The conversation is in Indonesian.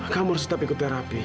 kamu harus tetap ikut terapi